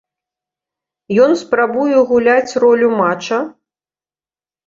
Ён спрабуе гуляць ролю мача?